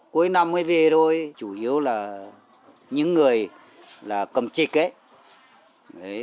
cuối năm mới về rồi chủ yếu là những người là cầm trịch ấy